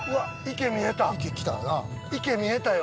池見えたよ。